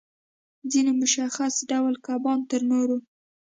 ځینې مشخص ډول کبان تر نورو